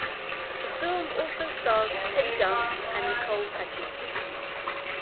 The film also stars Teddy Dunn and Nicole Paggi.